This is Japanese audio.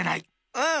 うん！